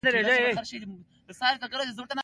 د مرګي څپو یې د ژوند ارمانونه لرې یوړل.